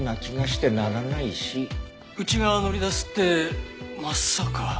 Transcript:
うちが乗り出すってまさか。